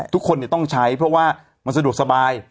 ทุกคนต้องใช้เพราะว่ามันสะดวกสบาย